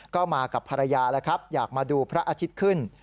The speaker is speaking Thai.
ก็มากับภรรยาแล้วครับอยากมาดูพระอาทิตย์ขึ้น